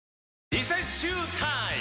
リセッシュータイム！